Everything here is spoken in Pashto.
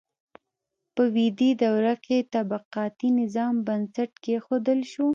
په ویدي دوره کې د طبقاتي نظام بنسټ کیښودل شو.